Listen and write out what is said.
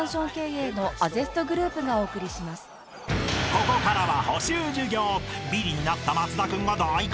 ［ここからは］